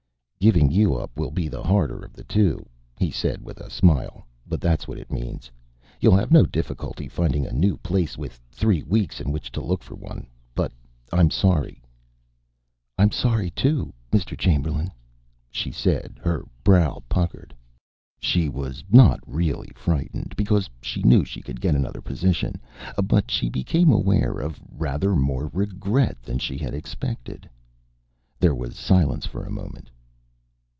"Giving up you will be the harder of the two," he said with a smile, "but that's what it means. You'll have no difficulty finding a new place, with three weeks in which to look for one, but I'm sorry." "I'm sorry, too, Mr. Chamberlain," she said, her brow puckered. She was not really frightened, because she knew she could get another position, but she became aware of rather more regret than she had expected. There was silence for a moment.